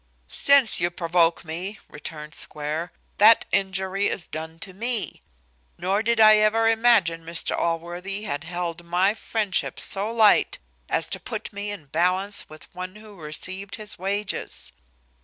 "Since you provoke me," returned Square, "that injury is done to me; nor did I ever imagine Mr Allworthy had held my friendship so light, as to put me in balance with one who received his wages.